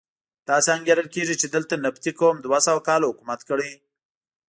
داسې انګېرل کېږي چې دلته نبطي قوم دوه سوه کاله حکومت کړی.